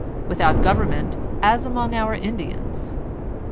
Without government, as among our In dians.